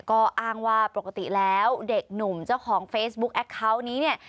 ก็อ้างว่าปกติแล้วเด็กหนุ่มเจ้าของเฟซบุ๊กแอคเคาน์นี้เนี่ย